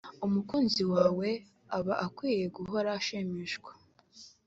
umukunzi wawe aba akwiye guhora ashimishwa